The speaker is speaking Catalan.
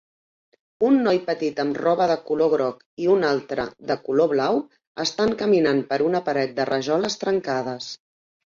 Un noi petit amb roba de color groc i un altre de color blau estan caminant per una paret de rajoles trencades.